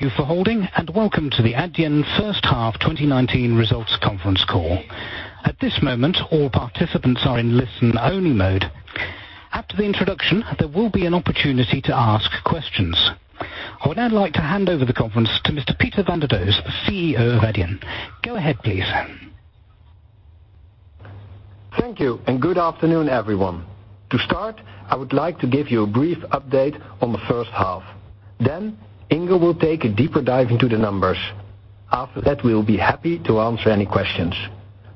You for holding, welcome to the Adyen First Half 2019 Results Conference Call. At this moment, all participants are in listen-only mode. After the introduction, there will be an opportunity to ask questions. I would now like to hand over the conference to Mr. Pieter van der Does, CEO of Adyen. Go ahead, please. Thank you, and good afternoon, everyone. To start, I would like to give you a brief update on the first half. Ingo will take a deeper dive into the numbers. After that, we will be happy to answer any questions.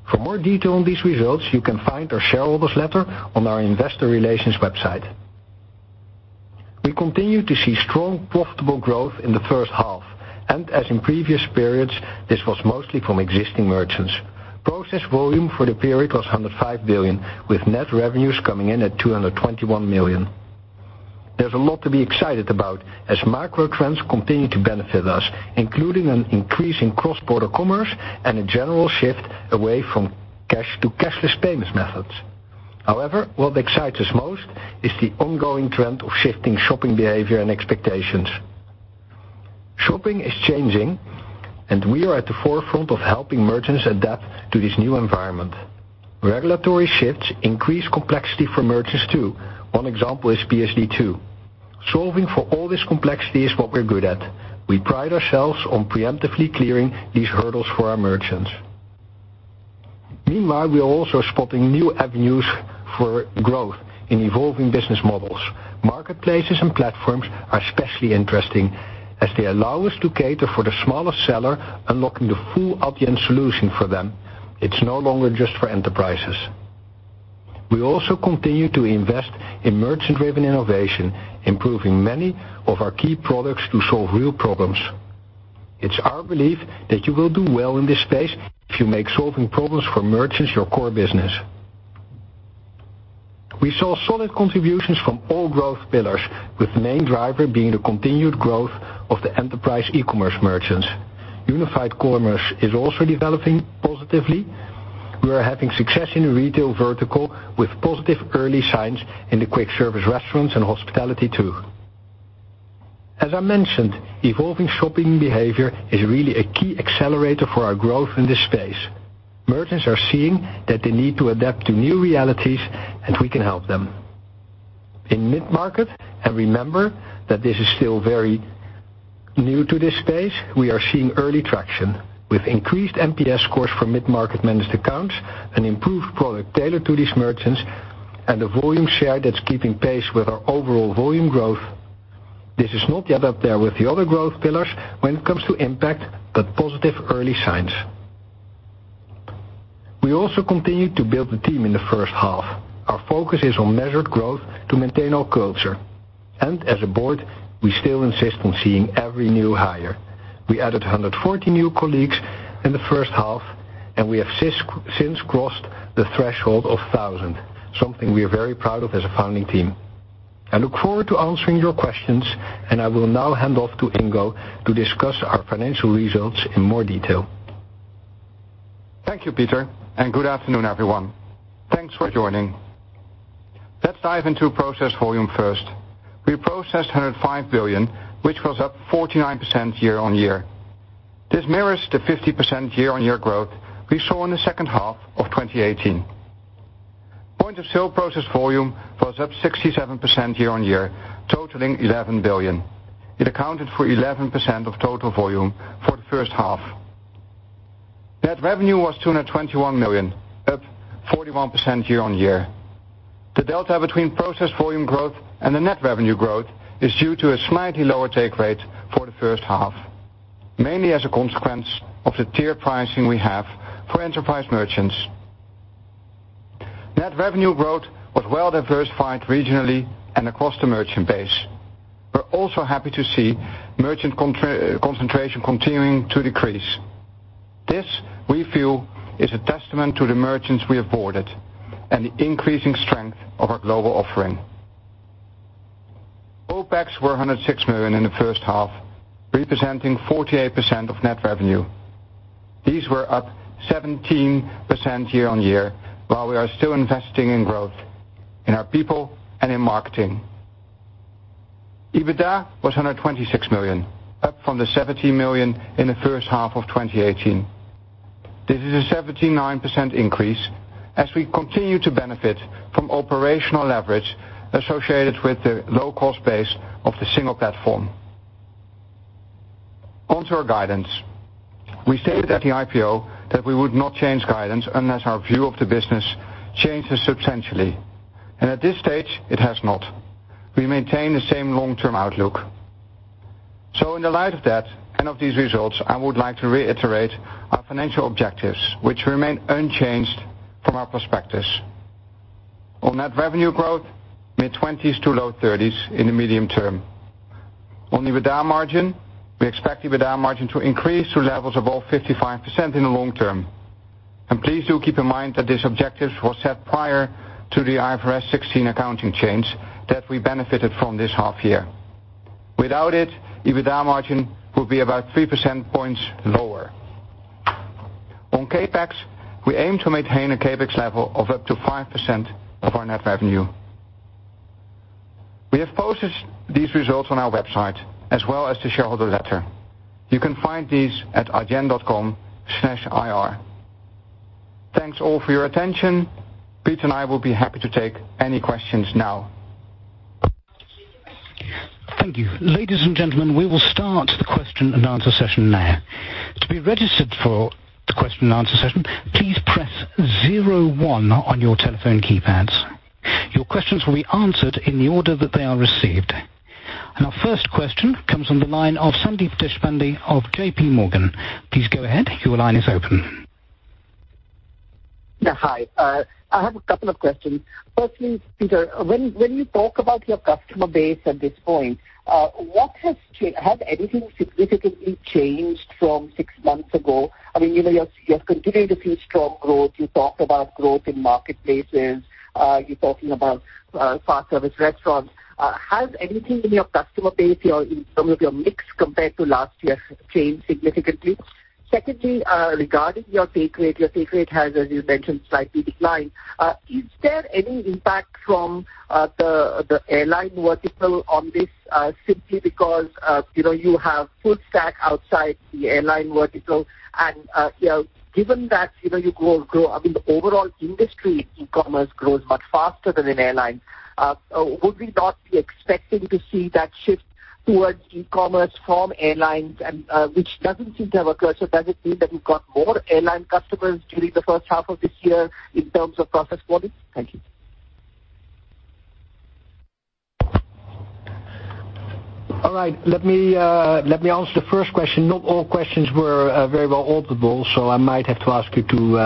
For more detail on these results, you can find our shareholders' letter on our investor relations website. We continue to see strong, profitable growth in the first half. As in previous periods, this was mostly from existing merchants. Processed volume for the period was 105 billion, with net revenues coming in at 221 million. There's a lot to be excited about as macro trends continue to benefit us, including an increase in cross-border commerce and a general shift away from cash to cashless payments methods. However, what excites us most is the ongoing trend of shifting shopping behavior and expectations. Shopping is changing, and we are at the forefront of helping merchants adapt to this new environment. Regulatory shifts increase complexity for merchants, too. One example is PSD2. Solving for all this complexity is what we're good at. We pride ourselves on preemptively clearing these hurdles for our merchants. Meanwhile, we are also spotting new avenues for growth in evolving business models. Marketplaces and platforms are especially interesting as they allow us to cater for the smaller seller, unlocking the full Adyen solution for them. It's no longer just for enterprises. We also continue to invest in merchant-driven innovation, improving many of our key products to solve real problems. It's our belief that you will do well in this space if you make solving problems for merchants your core business. We saw solid contributions from all growth pillars, with the main driver being the continued growth of the enterprise e-commerce merchants. Unified Commerce is also developing positively. We are having success in the retail vertical, with positive early signs in the quick service restaurants and hospitality, too. As I mentioned, evolving shopping behavior is really a key accelerator for our growth in this space. Merchants are seeing that they need to adapt to new realities, and we can help them. In mid-market, and remember that this is still very new to this space, we are seeing early traction with increased NPS scores for mid-market managed accounts and improved product tailored to these merchants and a volume share that's keeping pace with our overall volume growth. This is not yet up there with the other growth pillars when it comes to impact, but positive early signs. We also continued to build the team in the first half. Our focus is on measured growth to maintain our culture. As a board, we still insist on seeing every new hire. We added 140 new colleagues in the first half, and we have since crossed the threshold of 1,000, something we are very proud of as a founding team. I look forward to answering your questions, and I will now hand off to Ingo to discuss our financial results in more detail. Thank you, Pieter. Good afternoon, everyone. Thanks for joining. Let's dive into processed volume first. We processed 105 billion, which was up 49% year-on-year. This mirrors the 50% year-on-year growth we saw in the second half of 2018. Point of sale processed volume was up 67% year-on-year, totaling 11 billion. It accounted for 11% of total volume for the first half. Net revenue was 221 million, up 41% year-on-year. The delta between processed volume growth and the net revenue growth is due to a slightly lower take rate for the first half, mainly as a consequence of the tier pricing we have for enterprise merchants. Net revenue growth was well diversified regionally and across the merchant base. We're also happy to see merchant concentration continuing to decrease. This, we feel, is a testament to the merchants we have boarded and the increasing strength of our global offering. OpEx were 106 million in the first half, representing 48% of net revenue. These were up 17% year-over-year, while we are still investing in growth in our people and in marketing. EBITDA was 126 million, up from the 17 million in the first half of 2018. This is a 79% increase as we continue to benefit from operational leverage associated with the low-cost base of the single platform. On to our guidance. We stated at the IPO that we would not change guidance unless our view of the business changes substantially. At this stage, it has not. We maintain the same long-term outlook. In the light of that and of these results, I would like to reiterate our financial objectives, which remain unchanged from our prospectus. On net revenue growth, mid-20s to low 30s in the medium term. On EBITDA margin, we expect EBITDA margin to increase to levels above 55% in the long term. Please do keep in mind that these objectives were set prior to the IFRS 16 accounting change that we benefited from this half year. Without it, EBITDA margin would be about three percentage points lower. On CapEx, we aim to maintain a CapEx level of up to 5% of our net revenue. We have posted these results on our website as well as the shareholder letter. You can find these at adyen.com/ir. Thanks all for your attention. Pieter and I will be happy to take any questions now. Thank you. Ladies and gentlemen, we will start the question and answer session now. To be registered for the question and answer session, please press 01 on your telephone keypads. Your questions will be answered in the order that they are received. Our first question comes from the line of Sandeep Deshpande of J.P. Morgan. Please go ahead. Your line is open. Yeah. Hi. I have a couple of questions. Firstly, Pieter, when you talk about your customer base at this point, has anything significantly changed from six months ago? You have continued to see strong growth. You talked about growth in marketplaces, you're talking about fast service restaurants. Has anything in your customer base or in some of your mix compared to last year changed significantly? Secondly, regarding your take rate. Your take rate has, as you mentioned, slightly declined. Is there any impact from the airline vertical on this simply because you have full stack outside the airline vertical? Given that you grow, the overall industry, e-commerce grows much faster than an airline. Would we not be expecting to see that shift towards e-commerce from airlines and which doesn't seem to have occurred? Does it mean that we've got more airline customers during the first half of this year in terms of process volume? Thank you. All right. Let me answer the first question. Not all questions were very well audible, so I might have to ask you to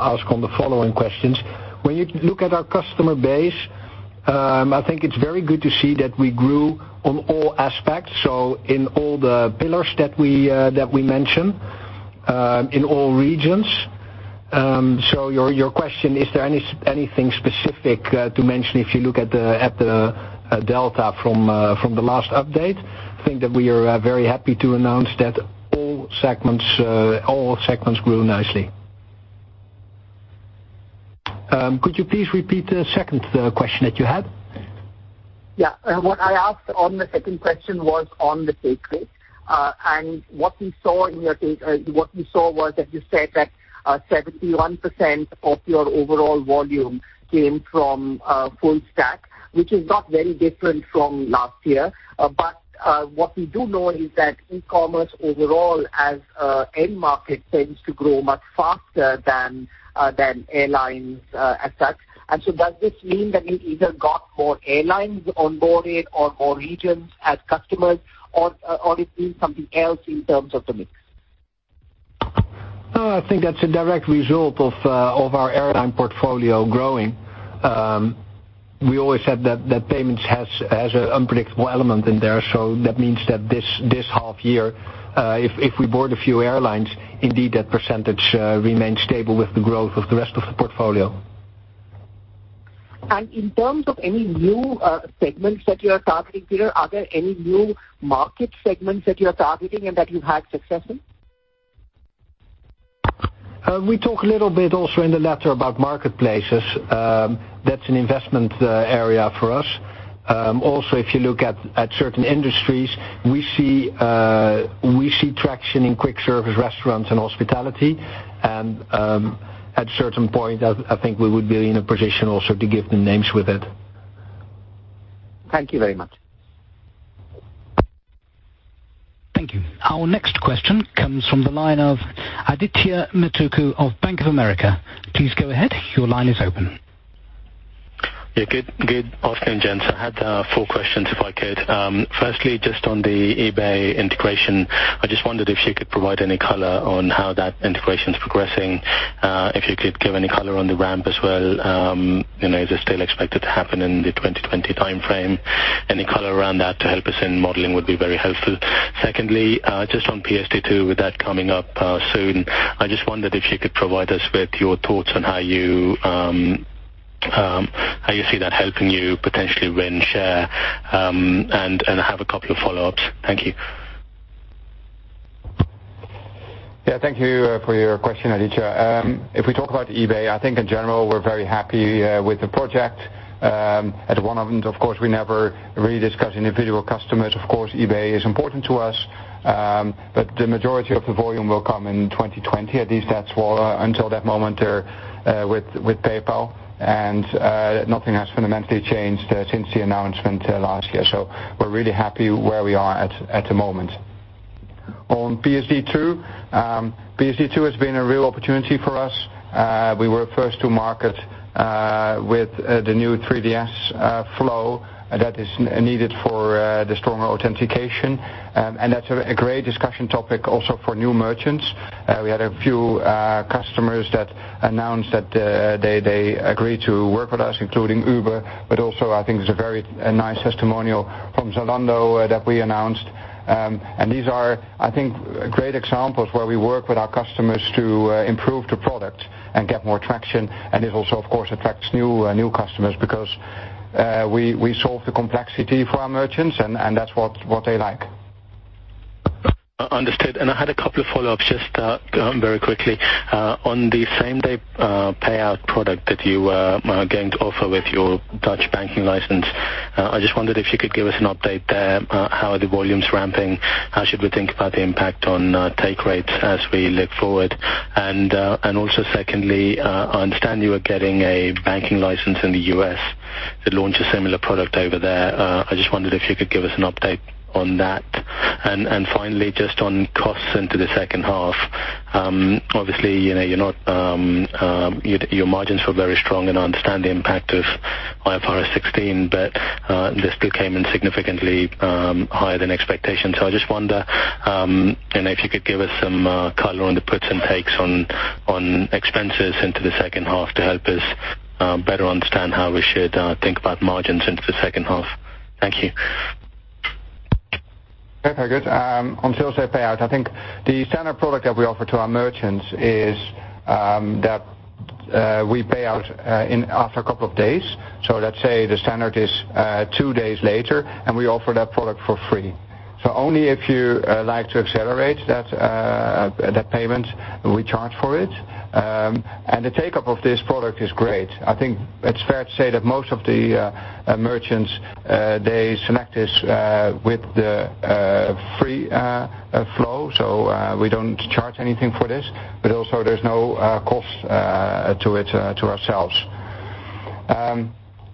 ask on the following questions. When you look at our customer base, I think it's very good to see that we grew on all aspects. So in all the pillars that we mention, in all regions. Your question, is there anything specific to mention if you look at the delta from the last update? I think that we are very happy to announce that all segments grew nicely. Could you please repeat the second question that you had? Yeah. What I asked on the second question was on the take rate. What we saw was that you said that 71% of your overall volume came from full stack, which is not very different from last year. What we do know is that e-commerce overall as end market tends to grow much faster than airlines as such. Does this mean that you either got more airlines onboarded or more regions as customers or it means something else in terms of the mix? I think that's a direct result of our airline portfolio growing. We always said that payments has an unpredictable element in there. That means that this half year, if we board a few airlines, indeed that percentage remains stable with the growth of the rest of the portfolio. In terms of any new segments that you are targeting, Pieter, are there any new market segments that you are targeting and that you've had success in? We talk a little bit also in the letter about marketplaces. That's an investment area for us. Also, if you look at certain industries, we see traction in quick service restaurants and hospitality. At certain point, I think we would be in a position also to give the names with it. Thank you very much. Thank you. Our next question comes from the line of Aditya Buddhavarapu of Bank of America. Please go ahead. Your line is open. Yeah. Good afternoon, gents. I had four questions if I could. Firstly, just on the eBay integration, I just wondered if you could provide any color on how that integration's progressing. If you could give any color on the ramp as well. Is it still expected to happen in the 2020 timeframe? Any color around that to help us in modeling would be very helpful. Secondly, just on PSD2, with that coming up soon, I just wondered if you could provide us with your thoughts on how you see that helping you potentially win, share, and I have a couple of follow-ups. Thank you. Thank you for your question, Aditya. If we talk about eBay, I think in general, we're very happy with the project. At one of them, of course, we never really discuss individual customers. eBay is important to us. The majority of the volume will come in 2020. At least that's until that moment with PayPal, nothing has fundamentally changed since the announcement last year. We're really happy where we are at the moment. On PSD2. PSD2 has been a real opportunity for us. We were first to market with the new 3DS flow that is needed for the stronger authentication. That's a great discussion topic also for new merchants. We had a few customers that announced that they agreed to work with us, including Uber, also I think it's a very nice testimonial from Zalando that we announced. These are, I think, great examples where we work with our customers to improve the product and get more traction. It also, of course, attracts new customers because we solve the complexity for our merchants, and that's what they like. Understood. I had a couple of follow-ups, just very quickly. On the same-day payout product that you are going to offer with your Dutch banking license, I just wondered if you could give us an update there. How are the volumes ramping? How should we think about the impact on take rates as we look forward? Also secondly, I understand you are getting a banking license in the U.S. to launch a similar product over there. I just wondered if you could give us an update on that. Finally, just on costs into the second half. Obviously, your margins were very strong and I understand the impact of IFRS 16, but this came in significantly higher than expectations. I just wonder if you could give us some color on the puts and takes on expenses into the second half to help us better understand how we should think about margins into the second half. Thank you. Okay, good. On same-day payout, I think the standard product that we offer to our merchants is that we pay out after a couple of days. Let's say the standard is two days later, and we offer that product for free. Only if you like to accelerate that payment, we charge for it. The take-up of this product is great. I think it's fair to say that most of the merchants, they select this with the free flow. We don't charge anything for this. Also there's no cost to ourselves.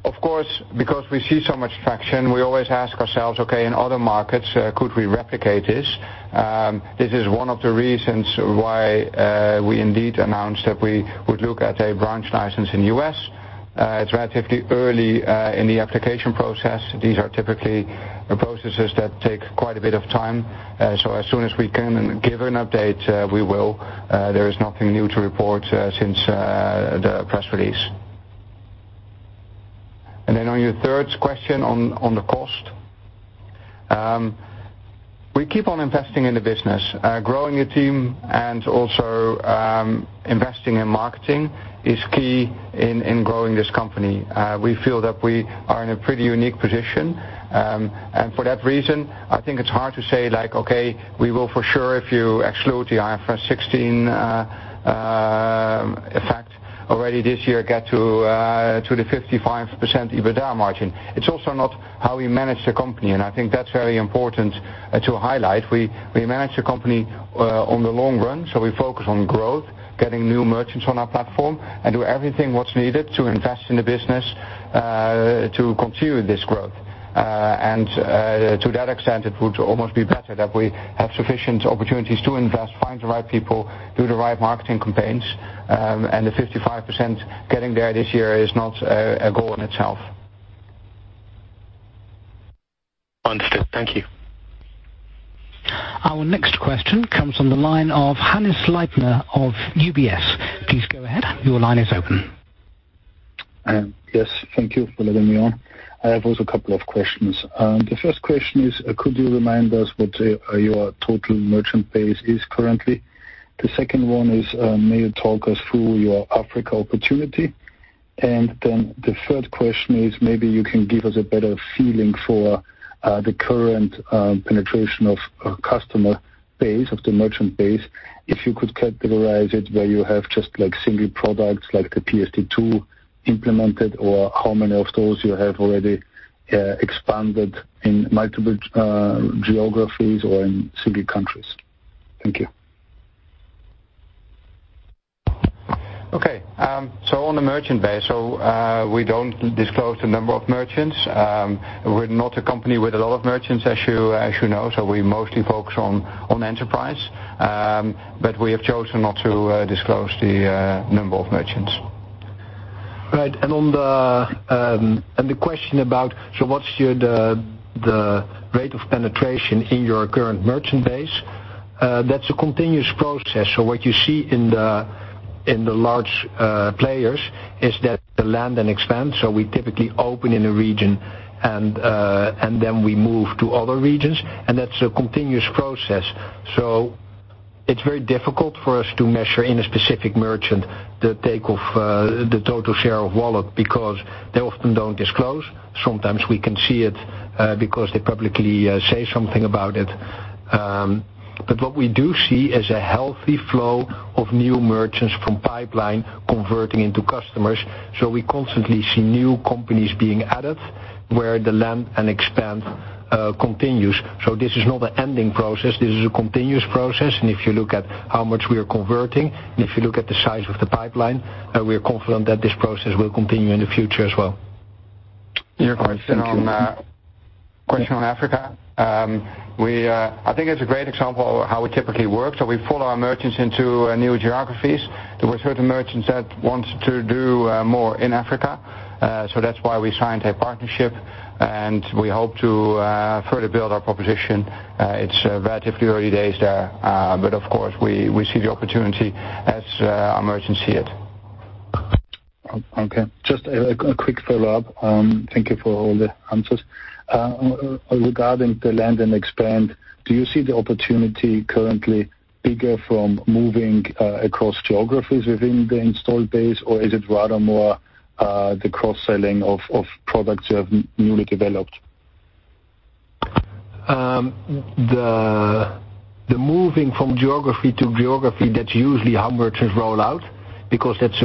Of course, because we see so much traction, we always ask ourselves, okay, in other markets, could we replicate this? This is one of the reasons why we indeed announced that we would look at a branch license in the U.S. It's relatively early in the application process. These are typically processes that take quite a bit of time. As soon as we can give an update, we will. There is nothing new to report since the press release. On your third question on the cost. We keep on investing in the business. Growing a team and also investing in marketing is key in growing this company. We feel that we are in a pretty unique position. For that reason, I think it's hard to say, okay, we will for sure, if you exclude the IFRS 16 effect already this year, get to the 55% EBITDA margin. It's also not how we manage the company, and I think that's very important to highlight. We manage the company on the long run, so we focus on growth, getting new merchants on our platform, and do everything what's needed to invest in the business to continue this growth. To that extent, it would almost be better that we have sufficient opportunities to invest, find the right people, do the right marketing campaigns. The 55% getting there this year is not a goal in itself. Understood. Thank you. Our next question comes from the line of Hannes Leitner of UBS. Please go ahead. Your line is open. Yes, thank you for letting me on. I have also a couple of questions. The first question is, could you remind us what your total merchant base is currently? The second one is, may you talk us through your Africa opportunity? The third question is maybe you can give us a better feeling for the current penetration of customer base, of the merchant base. If you could categorize it where you have just single products like the PSD2 implemented, or how many of those you have already expanded in multiple geographies or in single countries. Thank you. Okay. On the merchant base, so we don't disclose the number of merchants. We're not a company with a lot of merchants, as you know, so we mostly focus on enterprise. We have chosen not to disclose the number of merchants. Right. The question about, so what's the rate of penetration in your current merchant base? That's a continuous process. What you see in the large players is that the land and expand, so we typically open in a region and then we move to other regions, and that's a continuous process. It's very difficult for us to measure in a specific merchant the take of the total share of wallet, because they often don't disclose. Sometimes we can see it because they publicly say something about it. What we do see is a healthy flow of new merchants from pipeline converting into customers. We constantly see new companies being added where the land and expand continues. This is not an ending process, this is a continuous process. If you look at how much we are converting, and if you look at the size of the pipeline, we are confident that this process will continue in the future as well. Your question on. Question on Africa. I think it's a great example of how we typically work. We follow our merchants into new geographies. There were certain merchants that want to do more in Africa. That's why we signed a partnership, and we hope to further build our proposition. It's relatively early days there. Of course, we see the opportunity as our merchants see it. Just a quick follow-up. Thank you for all the answers. Regarding the land and expand, do you see the opportunity currently bigger from moving across geographies within the installed base, or is it rather more the cross-selling of products you have newly developed? The moving from geography to geography, that's usually how merchants roll out, because that's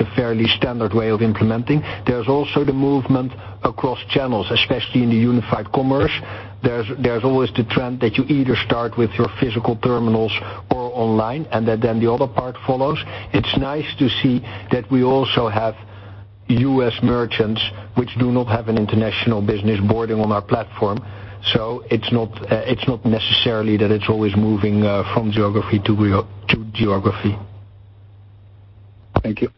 a fairly standard way of implementing. There's also the movement across channels, especially in the unified commerce. There's always the trend that you either start with your physical terminals or online, and then the other part follows. It's nice to see that we also have U.S. merchants which do not have an international business boarding on our platform. It's not necessarily that it's always moving from geography to geography. Thank you.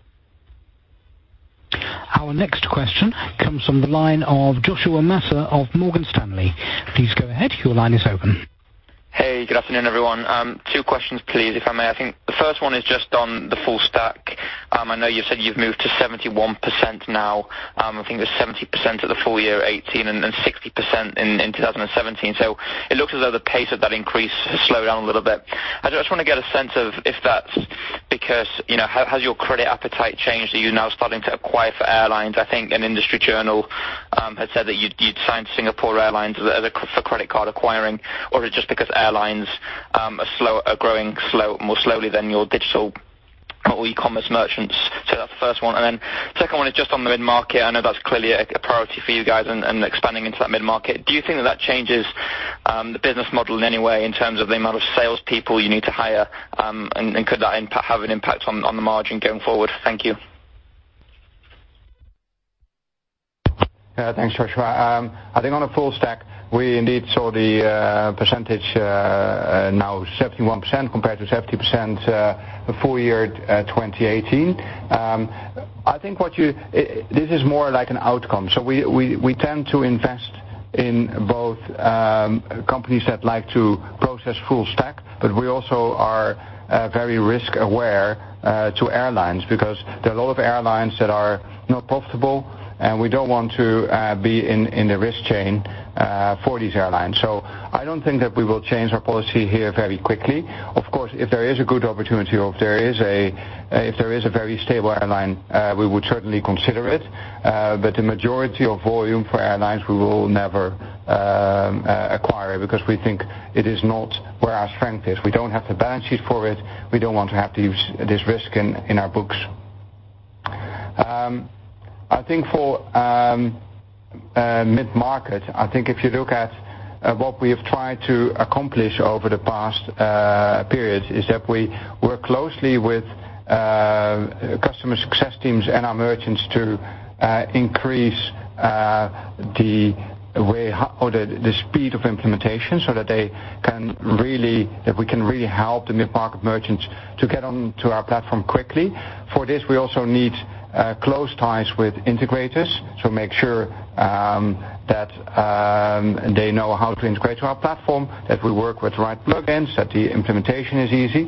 Our next question comes from the line of Joshua Massa of Morgan Stanley. Please go ahead. Your line is open. Hey, good afternoon, everyone. Two questions, please, if I may. The first one is just on the full stack. You've said you've moved to 71% now. It was 70% at the full year 2018 and then 60% in 2017. It looks as though the pace of that increase has slowed down a little bit. Has your credit appetite changed? Are you now starting to acquire for airlines? An industry journal has said that you'd signed Singapore Airlines for credit card acquiring, or is it just because airlines are growing more slowly than your digital or e-commerce merchants? That's the first one. Second one is just on the mid-market. That's clearly a priority for you guys and expanding into that mid-market. Do you think that that changes the business model in any way in terms of the amount of salespeople you need to hire, and could that have an impact on the margin going forward? Thank you. Yeah. Thanks, Joshua. I think on a full stack, we indeed saw the percentage now 71% compared to 70% the full year 2018. I think this is more like an outcome. We tend to invest in both companies that like to process full stack, but we also are very risk aware to airlines because there are a lot of airlines that are not profitable, and we don't want to be in the risk chain for these airlines. I don't think that we will change our policy here very quickly. Of course, if there is a good opportunity or if there is a very stable airline, we would certainly consider it. The majority of volume for airlines, we will never acquire because we think it is not where our strength is. We don't have the balance sheet for it. We don't want to have this risk in our books. I think for mid-market, I think if you look at what we have tried to accomplish over the past periods is that we work closely with customer success teams and our merchants to increase the speed of implementation so that we can really help the mid-market merchants to get onto our platform quickly. For this, we also need close ties with integrators to make sure that they know how to integrate to our platform, that we work with the right plug-ins, that the implementation is easy.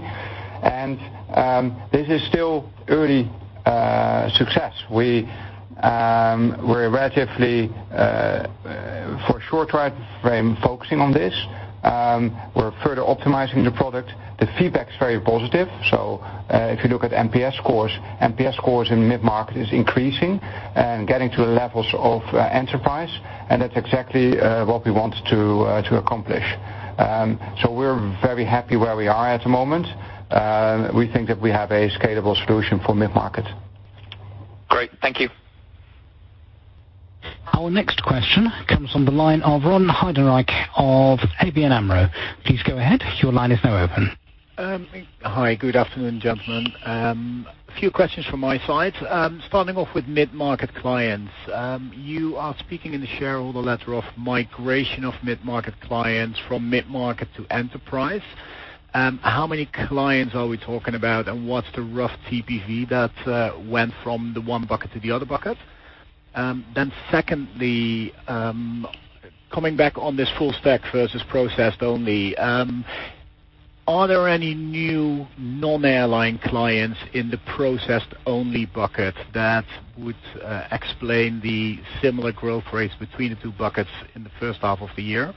This is still early success. We're relatively, for a short time frame, focusing on this. We're further optimizing the product. The feedback's very positive. If you look at NPS scores, NPS scores in mid-market is increasing and getting to the levels of enterprise, and that's exactly what we want to accomplish. We're very happy where we are at the moment. We think that we have a scalable solution for mid-market. Great. Thank you. Our next question comes from the line of Ron Heijderink of ABN AMRO. Please go ahead. Your line is now open. Hi. Good afternoon, gentlemen. A few questions from my side. Starting off with mid-market clients. You are speaking in the shareholder letter of migration of mid-market clients from mid-market to enterprise. How many clients are we talking about, and what's the rough TPV that went from the one bucket to the other bucket? Secondly, coming back on this full stack versus processed only, are there any new non-airline clients in the processed-only bucket that would explain the similar growth rates between the two buckets in the first half of the year?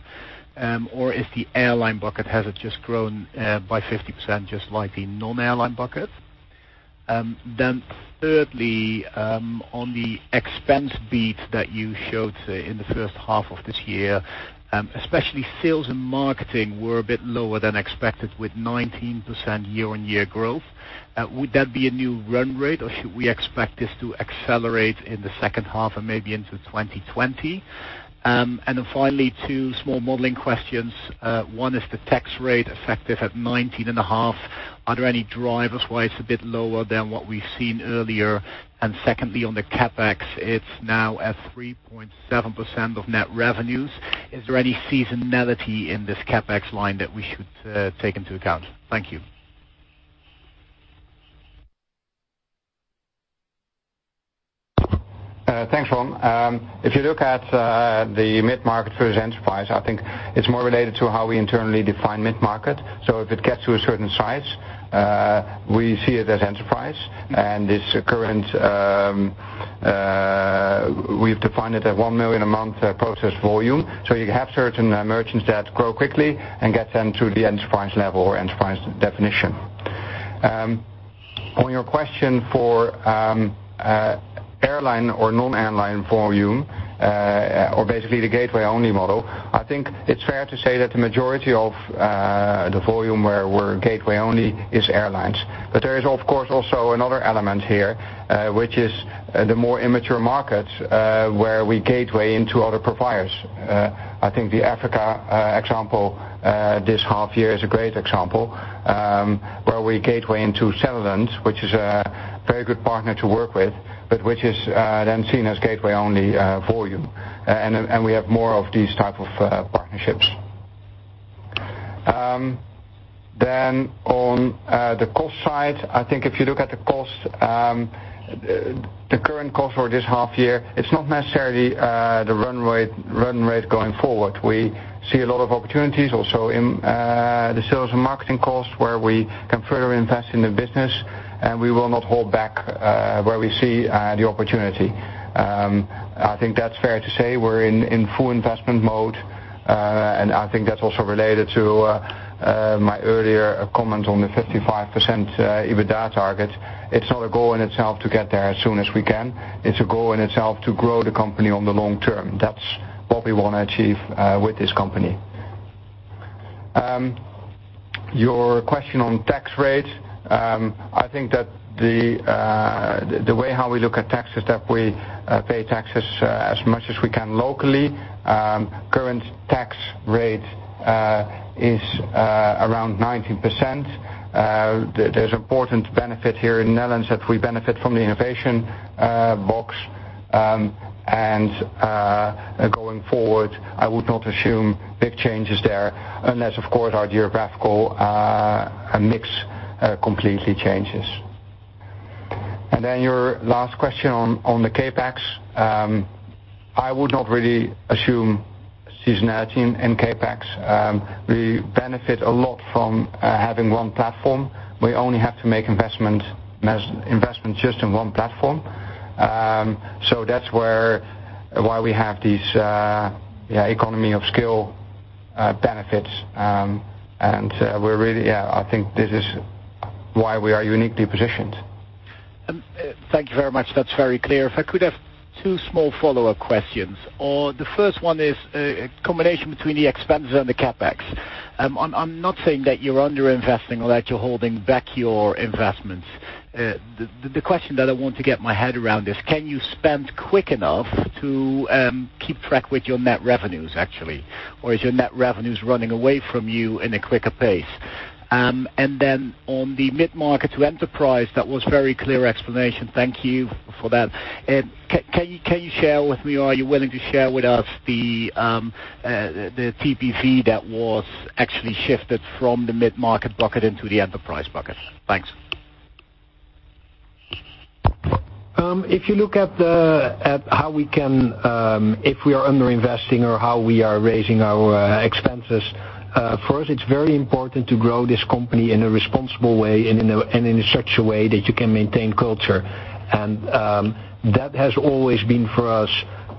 If the airline bucket, has it just grown by 50%, just like the non-airline bucket? Thirdly, on the expense beat that you showed in the first half of this year, especially sales and marketing were a bit lower than expected with 19% year-on-year growth. Would that be a new run rate, or should we expect this to accelerate in the second half and maybe into 2020? Then finally, 2 small modeling questions. One is the tax rate effective at 19.5%. Are there any drivers why it's a bit lower than what we've seen earlier? Secondly, on the CapEx, it's now at 3.7% of net revenues. Is there any seasonality in this CapEx line that we should take into account? Thank you. Thanks, Ron. If you look at the mid-market versus enterprise, I think it's more related to how we internally define mid-market. If it gets to a certain size, we see it as enterprise. We've defined it at 1 million a month process volume. You have certain merchants that grow quickly and get them to the enterprise level or enterprise definition. On your question for airline or non-airline volume, or basically the gateway-only model, I think it's fair to say that the majority of the volume where we're gateway only is airlines. There is, of course, also another element here, which is the more immature markets, where we gateway into other providers. I think the Africa example this half year is a great example. Where we gateway into Cellulant, which is a very good partner to work with, but which is then seen as gateway-only volume. We have more of these types of partnerships. On the cost side, I think if you look at the current cost for this half year, it's not necessarily the run rate going forward. We see a lot of opportunities also in the sales and marketing costs, where we can further invest in the business, and we will not hold back where we see the opportunity. I think that's fair to say we're in full investment mode. I think that's also related to my earlier comment on the 55% EBITDA target. It's not a goal in itself to get there as soon as we can. It's a goal in itself to grow the company on the long term. That's what we want to achieve with this company. Your question on tax rates. I think that the way how we look at taxes, that we pay taxes as much as we can locally. Current tax rate is around 19%. There's important benefit here in Netherlands that we benefit from the Innovation Box. Going forward, I would not assume big changes there, unless of course our geographical mix completely changes. Then your last question on the CapEx. I would not really assume seasonality in CapEx. We benefit a lot from having one platform. We only have to make investments just in one platform. That's why we have these economy of scale benefits. I think this is why we are uniquely positioned. Thank you very much. That's very clear. If I could have two small follow-up questions. The first one is a combination between the expenses and the CapEx. I'm not saying that you're under-investing or that you're holding back your investments. The question that I want to get my head around is, can you spend quick enough to keep track with your net revenues, actually? Or is your net revenues running away from you in a quicker pace? On the mid-market to enterprise, that was very clear explanation. Thank you for that. Can you share with me, or are you willing to share with us the TPV that was actually shifted from the mid-market bucket into the enterprise bucket? Thanks. If you look at if we are under-investing or how we are raising our expenses, for us, it's very important to grow this company in a responsible way and in such a way that you can maintain culture. That has always been, for us,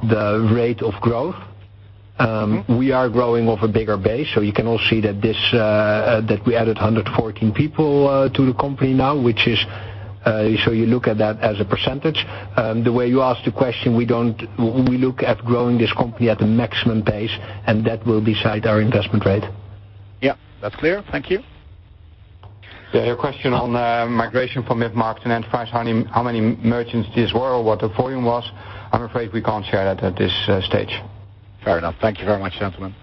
the rate of growth. We are growing of a bigger base, so you can all see that we added 114 people to the company now. You look at that as a percentage. The way you ask the question, we look at growing this company at the maximum pace, and that will decide our investment rate. Yeah. That's clear. Thank you. Yeah, your question on migration from mid-market and enterprise, how many merchants these were or what the volume was, I'm afraid we can't share that at this stage. Fair enough. Thank you very much, gentlemen.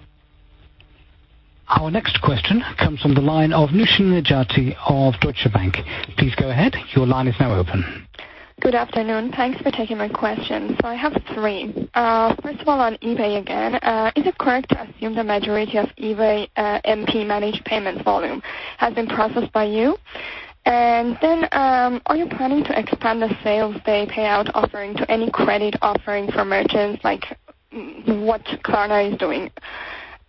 Our next question comes from the line of Lucian Nijati of Deutsche Bank. Please go ahead. Your line is now open. Good afternoon. Thanks for taking my question. I have three. First of all, on eBay again. Is it correct to assume the majority of eBay MP managed payment volume has been processed by you? Are you planning to expand the same-day payout offering to any credit offering for merchants, like what Klarna is doing?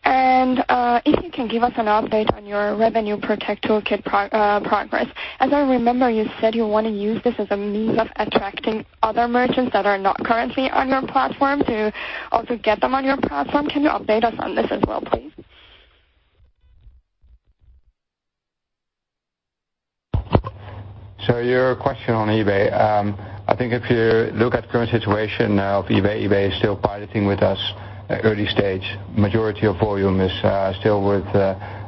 If you can give us an update on your RevenueProtect Toolkit progress. As I remember, you said you want to use this as a means of attracting other merchants that are not currently on your platform to also get them on your platform. Can you update us on this as well, please? Your question on eBay. I think if you look at the current situation now of eBay is still piloting with us at early stage. Majority of volume is still with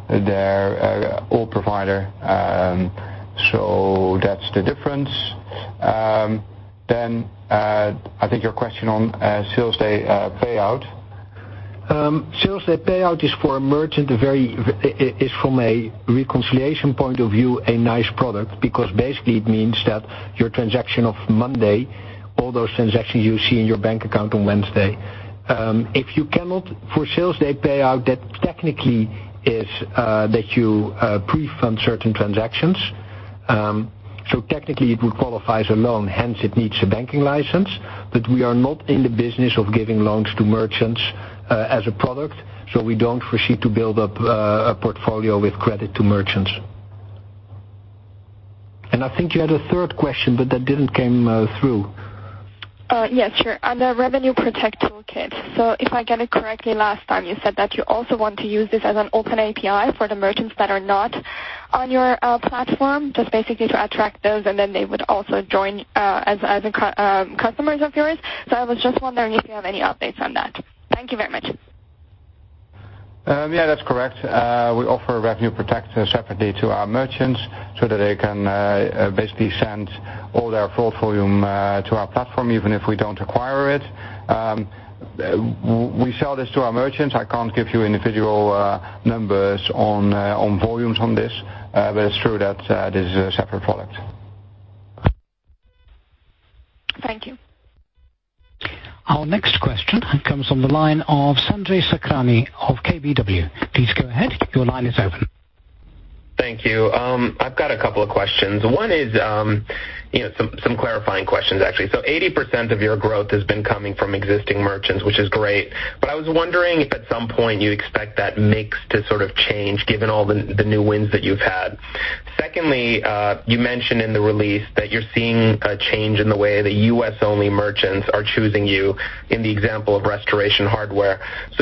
their old provider. That's the difference. I think your question on same-day payout. Same-day payout is for a merchant, is from a reconciliation point of view, a nice product because basically it means that your transaction of Monday, all those transactions you see in your bank account on Wednesday. For same-day payout, that technically is that you pre-fund certain transactions. Technically it would qualify as a loan, hence it needs a banking license. We are not in the business of giving loans to merchants as a product. We don't proceed to build up a portfolio with credit to merchants. I think you had a third question, but that didn't come through. Yes, sure. On the RevenueProtect toolkit. If I get it correctly, last time you said that you also want to use this as an open API for the merchants that are not on your platform, just basically to attract those, and then they would also join as customers of yours. I was just wondering if you have any updates on that. Thank you very much. Yeah. That's correct. We offer RevenueProtect separately to our merchants so that they can basically send all their fraud volume to our platform, even if we don't acquire it. We sell this to our merchants. I can't give you individual numbers on volumes on this. It's true that this is a separate product. Thank you. Our next question comes from the line of Sanjay Sakhrani of KBW. Please go ahead. Your line is open. Thank you. I've got a couple of questions. One is some clarifying questions, actually. 80% of your growth has been coming from existing merchants, which is great, but I was wondering if at some point you expect that mix to sort of change given all the new wins that you've had? Secondly, you mentioned in the release that you're seeing a change in the way the U.S.-only merchants are choosing you in the example of Restoration Hardware.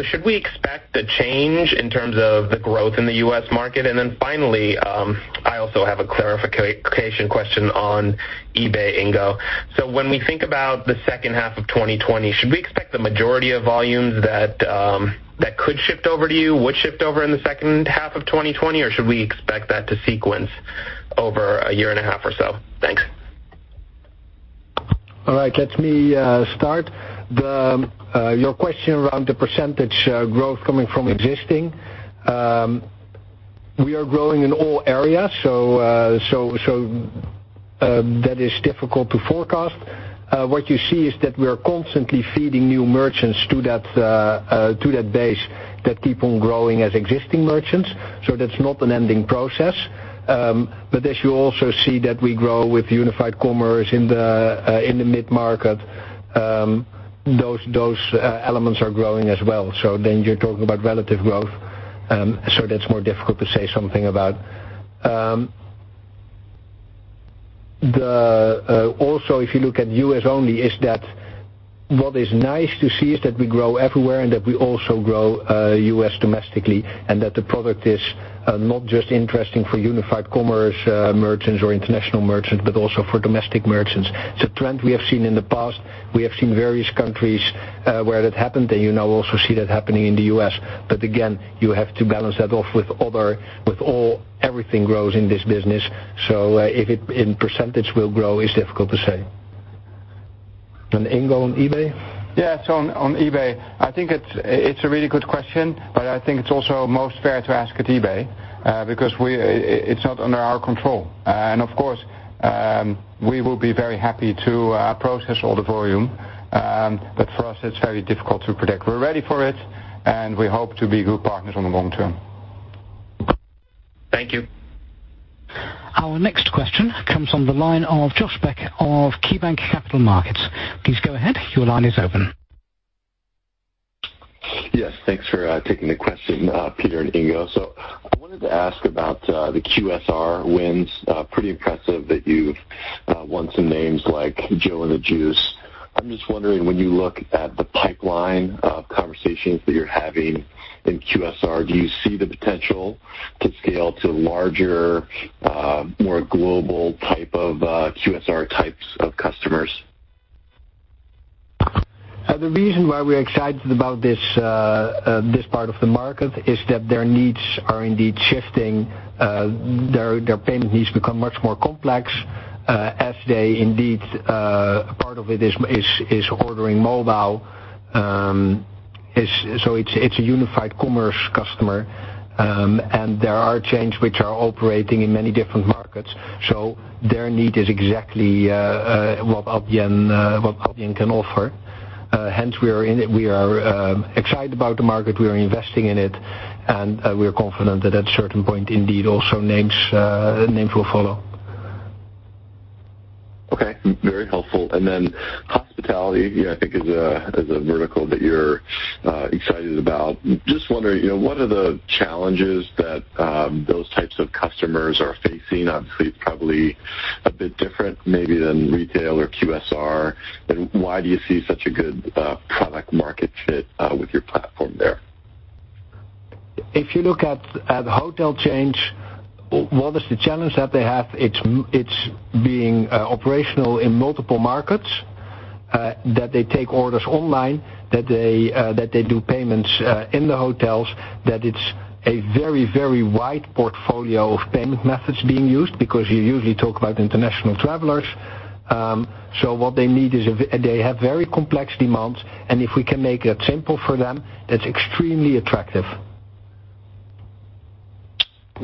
Should we expect a change in terms of the growth in the U.S. market? Finally, I also have a clarification question on eBay, Ingo. When we think about the second half of 2020, should we expect the majority of volumes that could shift over to you would shift over in the second half of 2020? Should we expect that to sequence over a year and a half or so? Thanks. All right. Let me start. Your question around the percentage growth coming from existing. We are growing in all areas, so that is difficult to forecast. What you see is that we are constantly feeding new merchants to that base that keep on growing as existing merchants. That's not an ending process. As you also see that we grow with unified commerce in the mid-market, those elements are growing as well. Then you're talking about relative growth. That's more difficult to say something about. If you look at U.S. only, is that what is nice to see is that we grow everywhere and that we also grow U.S. domestically, and that the product is not just interesting for unified commerce merchants or international merchants, but also for domestic merchants. It's a trend we have seen in the past. We have seen various countries where that happened, and you now also see that happening in the U.S. Again, you have to balance that off with everything grows in this business. If its percentage will grow, it's difficult to say. Ingo, on eBay? Yeah. On eBay, I think it's a really good question, but I think it's also most fair to ask at eBay because it's not under our control. Of course, we will be very happy to process all the volume. For us, it's very difficult to predict. We're ready for it, and we hope to be good partners on the long term. Thank you. Our next question comes on the line of Josh Beck of KeyBank Capital Markets. Please go ahead. Your line is open. Yes. Thanks for taking the question, Pieter and Ingo. I wanted to ask about the QSR wins. Pretty impressive that you've won some names like Joe & The Juice. I'm just wondering, when you look at the pipeline of conversations that you're having in QSR, do you see the potential to scale to larger, more global type of QSR types of customers? The reason why we're excited about this part of the market is that their needs are indeed shifting. Their payment needs become much more complex as they indeed, a part of it is ordering mobile. It's a unified commerce customer. There are chains which are operating in many different markets. Their need is exactly what Adyen can offer. Hence, we are excited about the market, we are investing in it, and we are confident that at a certain point, indeed, also names will follow. Okay. Very helpful. Then hospitality, I think is a vertical that you're excited about. Just wondering, what are the challenges that those types of customers are facing? Obviously, it's probably a bit different maybe than retail or QSR. Why do you see such a good product market fit with your platform there? If you look at hotel chains, what is the challenge that they have? It's being operational in multiple markets, that they take orders online, that they do payments in the hotels, that it's a very wide portfolio of payment methods being used because you usually talk about international travelers. What they need is they have very complex demands, and if we can make that simple for them, that's extremely attractive.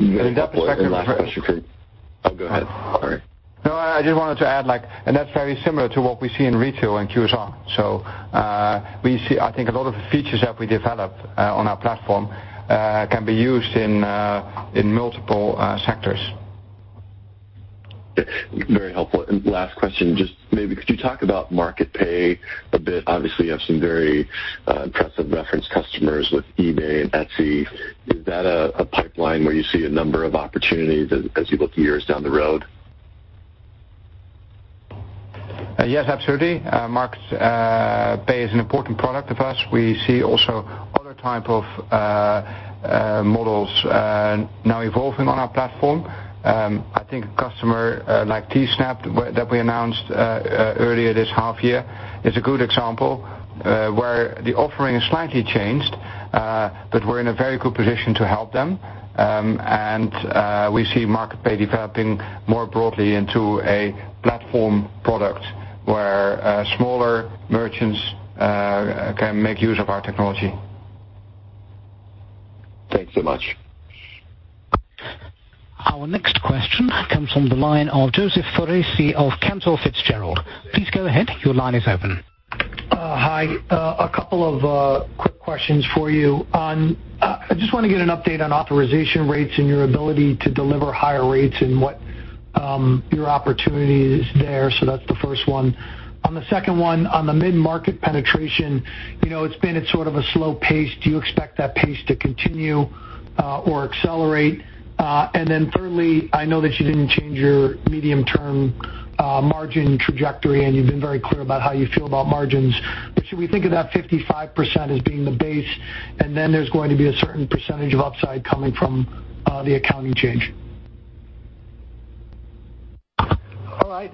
Last question for. And in that perspective- Oh, go ahead. Sorry. No, I just wanted to add, and that's very similar to what we see in retail and QSR. I think a lot of the features that we developed on our platform can be used in multiple sectors. Very helpful. Last question, just maybe could you talk about MarketPay a bit. Obviously, you have some very impressive reference customers with eBay and Etsy. Is that a pipeline where you see a number of opportunities as you look years down the road? Yes, absolutely. MarketPay is an important product of us. We see also other type of models now evolving on our platform. I think a customer like SAP that we announced earlier this half year is a good example, where the offering is slightly changed, but we're in a very good position to help them. We see MarketPay developing more broadly into a platform product where smaller merchants can make use of our technology. Thanks so much. Our next question comes from the line of Joseph Foresi of Cantor Fitzgerald. Please go ahead. Your line is open. Hi. A couple of quick questions for you. I just want to get an update on authorization rates and your ability to deliver higher rates and what your opportunity is there. That's the first one. On the second one, on the mid-market penetration, it's been at sort of a slow pace. Do you expect that pace to continue or accelerate? Thirdly, I know that you didn't change your medium-term margin trajectory, and you've been very clear about how you feel about margins. Should we think of that 55% as being the base, and then there's going to be a certain percentage of upside coming from the accounting change? All right.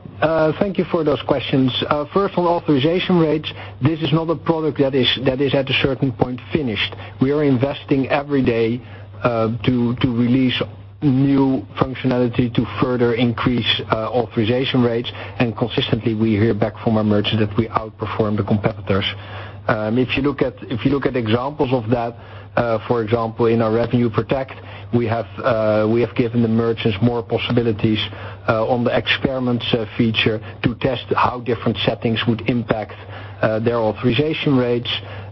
Thank you for those questions. First on authorization rates, this is not a product that is at a certain point finished. We are investing every day to release new functionality to further increase authorization rates, consistently we hear back from our merchants that we outperform the competitors. If you look at examples of that, for example, in our RevenueProtect, we have given the merchants more possibilities on the experiments feature to test how different settings would impact their authorization rates.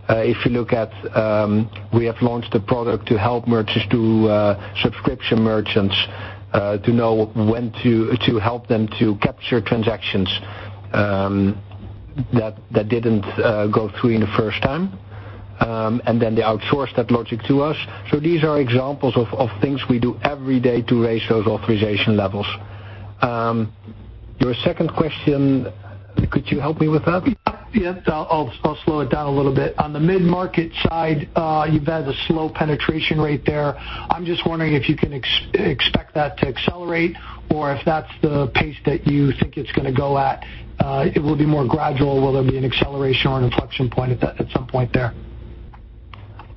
We have launched a product to help subscription merchants to know when to help them to capture transactions that didn't go through the first time. Then they outsource that logic to us. These are examples of things we do every day to raise those authorization levels. Your second question, could you help me with that? Yes. I'll slow it down a little bit. On the mid-market side, you've had a slow penetration rate there. I'm just wondering if you can expect that to accelerate or if that's the pace that you think it's going to go at. It will be more gradual. Will there be an acceleration or an inflection point at some point there?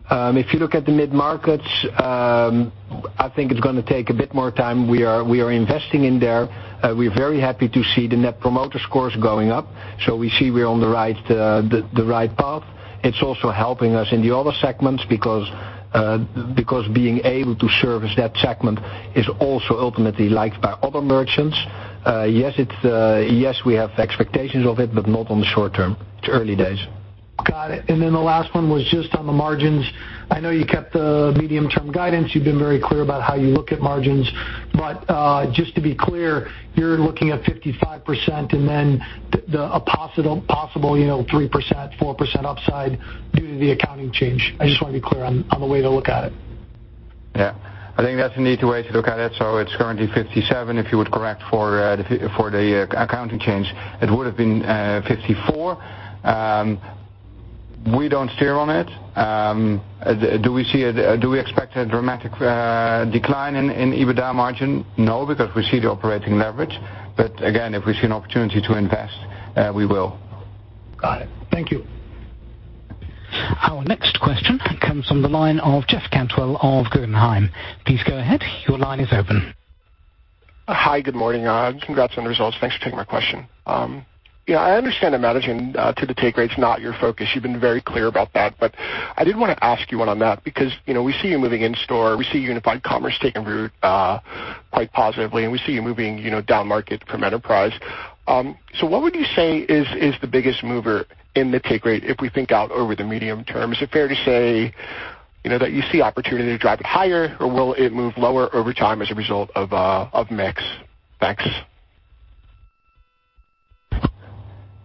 If you look at the mid-markets, I think it's going to take a bit more time. We are investing in there. We're very happy to see the Net Promoter Score going up. We see we're on the right path. It's also helping us in the other segments because being able to service that segment is also ultimately liked by other merchants. Yes, we have expectations of it, but not on the short term. It's early days. Got it. The last one was just on the margins. I know you kept the medium-term guidance. You've been very clear about how you look at margins. Just to be clear, you're looking at 55% and then a possible 3%-4% upside due to the accounting change. I just want to be clear on the way to look at it. Yeah. I think that's a neat way to look at it. It's currently 57. If you would correct for the accounting change, it would have been 54. We don't steer on it. Do we expect a dramatic decline in EBITDA margin? No, because we see the operating leverage. Again, if we see an opportunity to invest, we will. Got it. Thank you. Our next question comes from the line of Jeff Cantwell of Guggenheim. Please go ahead. Your line is open. Hi, good morning. Congrats on the results. Thanks for taking my question. I understand that managing to the take rate's not your focus. You've been very clear about that. I did want to ask you one on that because we see you moving in-store, we see unified commerce taking root quite positively, and we see you moving down market from enterprise. What would you say is the biggest mover in the take rate if we think out over the medium term? Is it fair to say that you see opportunity to drive it higher, or will it move lower over time as a result of mix? Thanks.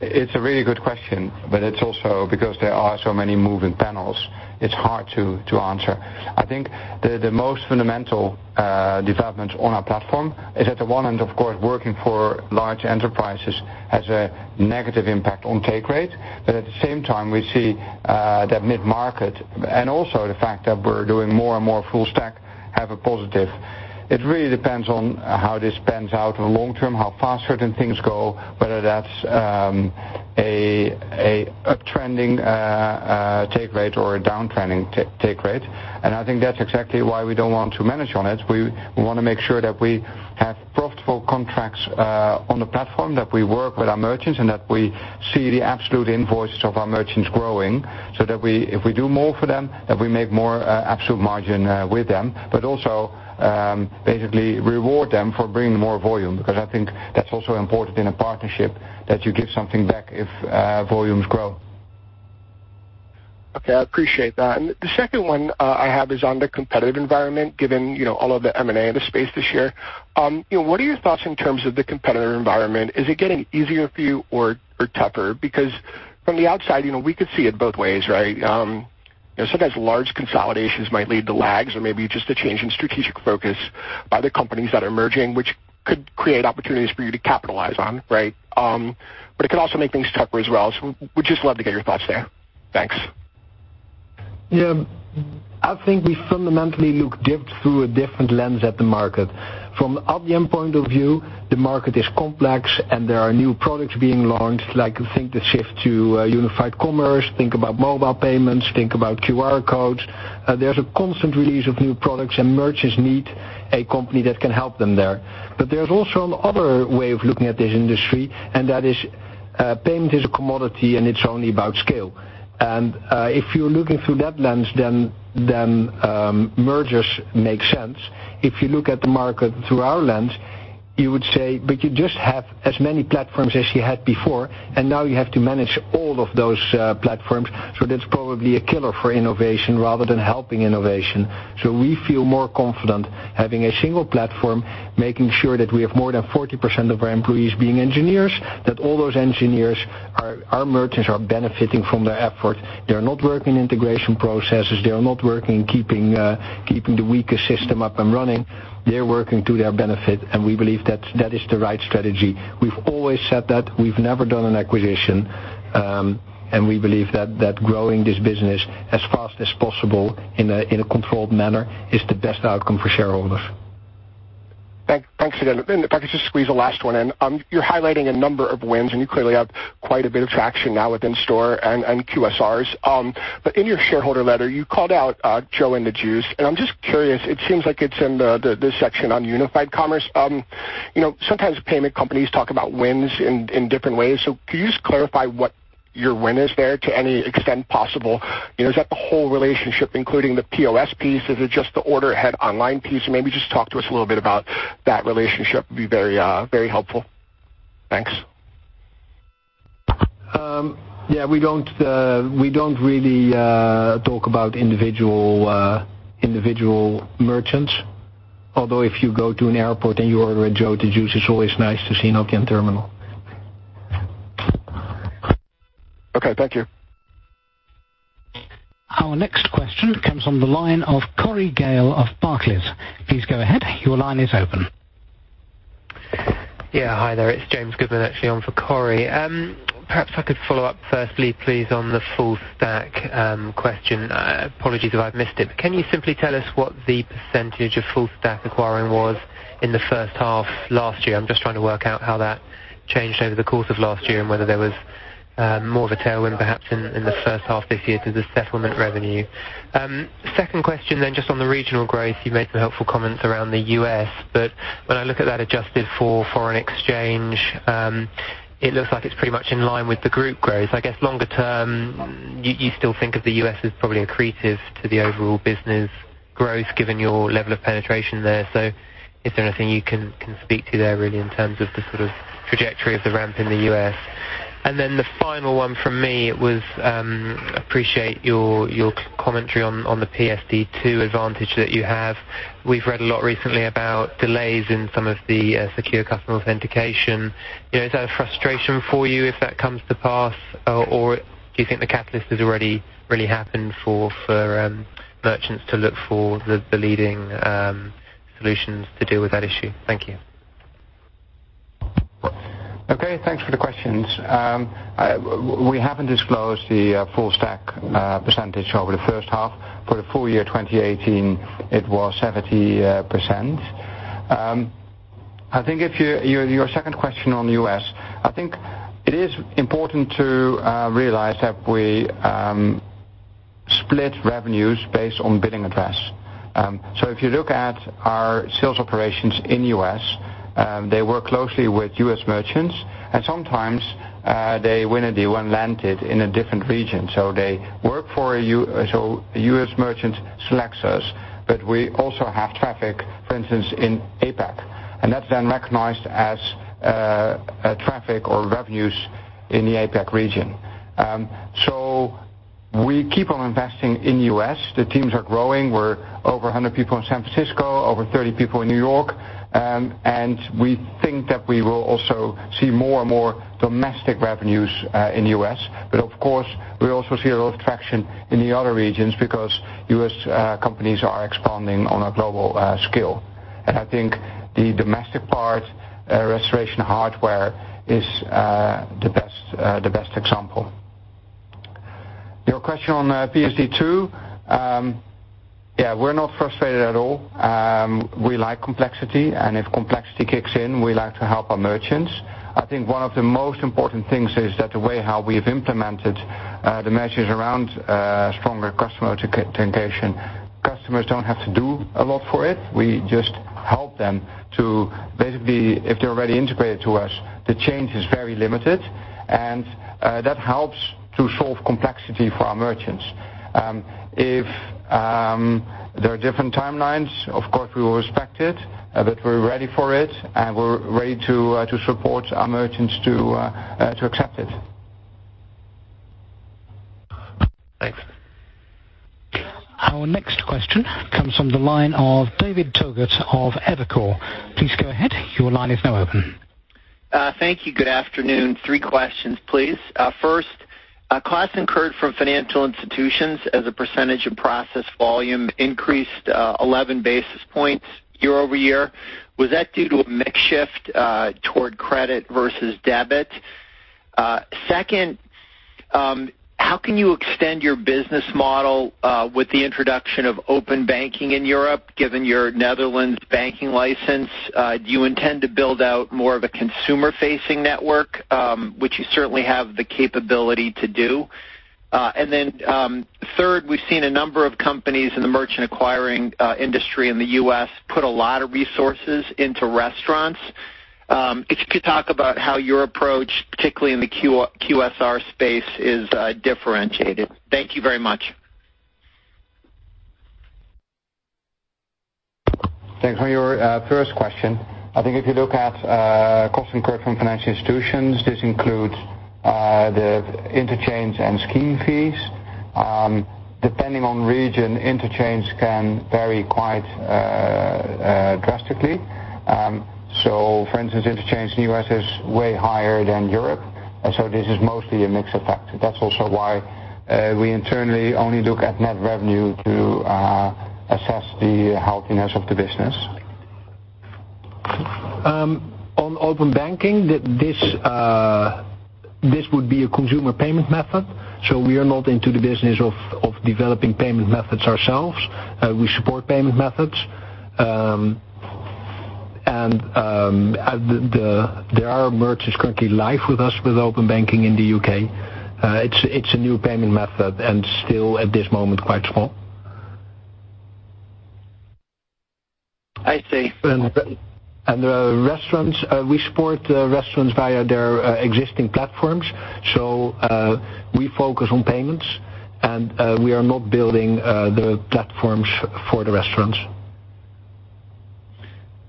It's a really good question, it's also because there are so many moving parts. It's hard to answer. I think the most fundamental development on our platform is at the one end, of course, working for large enterprises has a negative impact on take rate. At the same time, we see that mid-market and also the fact that we're doing more and more full stack have a positive. It really depends on how this pans out in the long term, how fast certain things go, whether that's a up-trending take rate or a down-trending take rate. I think that's exactly why we don't want to manage on it. We want to make sure that we have profitable contracts on the platform, that we work with our merchants, and that we see the absolute invoices of our merchants growing, so that if we do more for them, that we make more absolute margin with them. Also basically reward them for bringing more volume, because I think that's also important in a partnership, that you give something back if volumes grow. Okay, I appreciate that. The second one I have is on the competitive environment, given all of the M&A of the space this year. What are your thoughts in terms of the competitive environment? Is it getting easier for you or tougher? From the outside, we could see it both ways, right? Sometimes large consolidations might lead to lags or maybe just a change in strategic focus by the companies that are merging, which could create opportunities for you to capitalize on. Right? It could also make things tougher as well. Would just love to get your thoughts there. Thanks. Yeah. I think we fundamentally look deep through a different lens at the market. From the Adyen point of view, the market is complex and there are new products being launched. Like think the shift to unified commerce, think about mobile payments, think about QR codes. There's a constant release of new products and merchants need a company that can help them there. There's also another way of looking at this industry, and that is payment is a commodity and it's only about scale. If you're looking through that lens, then mergers make sense. If you look at the market through our lens, you would say, but you just have as many platforms as you had before, and now you have to manage all of those platforms. That's probably a killer for innovation rather than helping innovation. We feel more confident having a single platform, making sure that we have more than 40% of our employees being engineers, that all those engineers are our merchants are benefiting from their effort. They're not working integration processes. They are not working keeping the weaker system up and running. They're working to their benefit, and we believe that is the right strategy. We've always said that. We've never done an acquisition. We believe that growing this business as fast as possible in a controlled manner is the best outcome for shareholders. Thanks again. If I could just squeeze the last one in. You're highlighting a number of wins, and you clearly have quite a bit of traction now within store and QSRs. In your shareholder letter, you called out Joe & the Juice. I'm just curious, it seems like it's in the section on unified commerce. Sometimes payment companies talk about wins in different ways. Can you just clarify what your win is there to any extent possible? Is that the whole relationship, including the POS piece? Is it just the order ahead online piece? Maybe just talk to us a little bit about that relationship would be very helpful. Thanks. Yeah, we don't really talk about individual merchants. Although, if you go to an airport and you order a Joe & the Juice, it's always nice to see an Adyen terminal. Okay. Thank you. Our next question comes on the line of Corey Gale of Barclays. Please go ahead. Your line is open. Yeah. Hi there. It's James Goodman actually on for Corey. Perhaps I could follow up firstly, please, on the full stack question. Apologies if I've missed it. Can you simply tell us what the % of full stack acquiring was in the first half last year? I'm just trying to work out how that changed over the course of last year and whether there was more of a tailwind perhaps in the first half this year to the settlement revenue. Second question, just on the regional growth. You made some helpful comments around the U.S., but when I look at that adjusted for foreign exchange, it looks like it's pretty much in line with the group growth. I guess longer term, you still think of the U.S. as probably accretive to the overall business growth given your level of penetration there. Is there anything you can speak to there really in terms of the sort of trajectory of the ramp in the U.S.? The final one from me was, appreciate your commentary on the PSD2 advantage that you have. We've read a lot recently about delays in some of the secure customer authentication. Is that a frustration for you if that comes to pass? Or do you think the catalyst has already really happened for merchants to look for the leading solutions to deal with that issue? Thank you. Okay, thanks for the questions. We haven't disclosed the full stack percentage over the first half. For the full year 2018, it was 70%. Your second question on the U.S., I think it is important to realize that we split revenues based on billing address. If you look at our sales operations in U.S., they work closely with U.S. merchants and sometimes, they win a deal and land it in a different region. A U.S. merchant selects us, but we also have traffic, for instance, in APAC. That's then recognized as traffic or revenues in the APAC region. We keep on investing in U.S. The teams are growing. We're over 100 people in San Francisco, over 30 people in New York. We think that we will also see more and more domestic revenues in U.S. Of course, we also see a lot of traction in the other regions because U.S. companies are expanding on a global scale. I think the domestic part, Restoration Hardware, is the best example. Your question on PSD2. We're not frustrated at all. We like complexity and if complexity kicks in, we like to help our merchants. I think one of the most important things is that the way how we've implemented the measures around stronger customer authentication. Customers don't have to do a lot for it. We just help them to basically, if they're already integrated to us, the change is very limited and that helps to solve complexity for our merchants. If there are different timelines, of course we will respect it, but we're ready for it, and we're ready to support our merchants to accept it. Thanks. Our next question comes from the line of David Togut of Evercore. Please go ahead. Your line is now open. Thank you. Good afternoon. Three questions, please. First, cost incurred from financial institutions as a percentage of process volume increased 11 basis points year-over-year. Was that due to a mix shift toward credit versus debit? Second, how can you extend your business model with the introduction of open banking in Europe, given your Netherlands banking license? Do you intend to build out more of a consumer-facing network, which you certainly have the capability to do? Third, we've seen a number of companies in the merchant acquiring industry in the U.S. put a lot of resources into restaurants. If you could talk about how your approach, particularly in the QSR space, is differentiated. Thank you very much. Thanks. On your first question, I think if you look at cost incurred from financial institutions, this includes the interchange and scheme fees. Depending on region, interchange can vary quite drastically. For instance, interchange in the U.S. is way higher than Europe. This is mostly a mix effect. That's also why we internally only look at net revenue to assess the healthiness of the business. On open banking, this would be a consumer payment method. We are not into the business of developing payment methods ourselves. We support payment methods. There are merchants currently live with us with open banking in the U.K. It's a new payment method and still at this moment, quite small. I see. The restaurants, we support restaurants via their existing platforms. We focus on payments, and we are not building the platforms for the restaurants.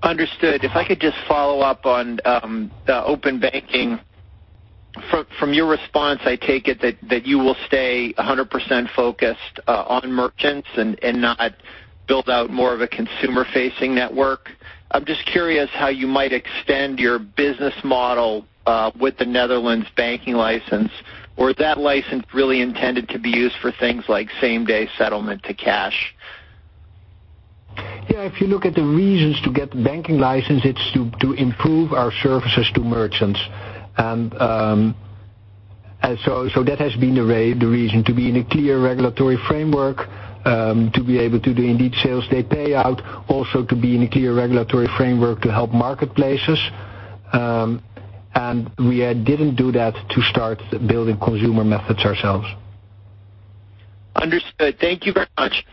Understood. If I could just follow up on open banking. From your response, I take it that you will stay 100% focused on merchants and not build out more of a consumer-facing network. I am just curious how you might extend your business model with the Netherlands banking license. Is that license really intended to be used for things like same-day settlement to cash? Yeah, if you look at the reasons to get the banking license, it's to improve our services to merchants. That has been the reason, to be in a clear regulatory framework, to be able to do indeed same-day payout, also to be in a clear regulatory framework to help marketplaces. We didn't do that to start building consumer methods ourselves. Understood. Thank you very much.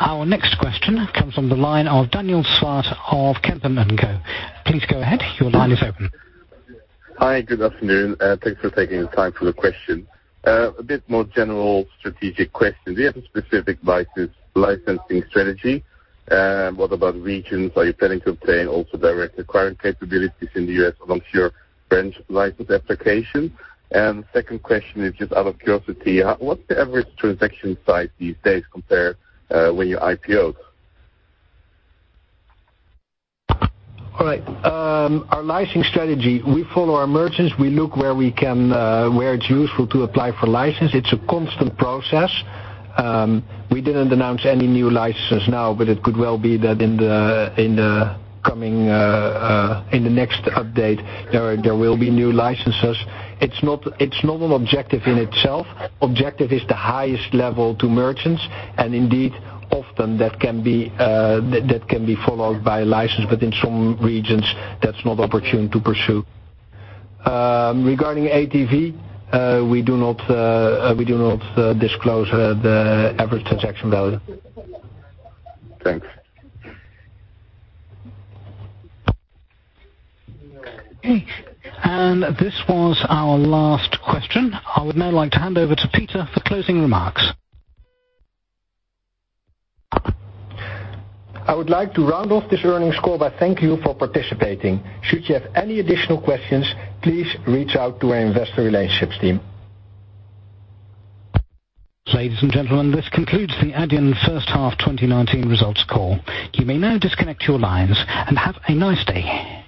Our next question comes from the line of Daniel Swart of Kempen & Co. Please go ahead. Your line is open. Hi. Good afternoon. Thanks for taking the time for the question. A bit more general strategic question. Do you have a specific licensing strategy? What about regions? Are you planning to obtain also direct acquiring capabilities in the U.S. amongst your branch license application? Second question is just out of curiosity, what's the average transaction size these days compared when you IPOed? All right. Our licensing strategy, we follow our merchants. We look where it's useful to apply for license. It's a constant process. We didn't announce any new licenses now, but it could well be that in the next update, there will be new licenses. It's not an objective in itself. Objective is the highest level to merchants, and indeed, often that can be followed by a license, but in some regions, that's not opportune to pursue. Regarding ATV, we do not disclose the average transaction value. Thanks. Okay. This was our last question. I would now like to hand over to Pieter for closing remarks. I would like to round off this earnings call by thanking you for participating. Should you have any additional questions, please reach out to our investor relationships team. Ladies and gentlemen, this concludes the Adyen First Half 2019 Results Call. You may now disconnect your lines, and have a nice day.